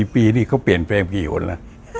๔ปีนี่เขาเปลี่ยนเพลงกี่หุ้นล่ะ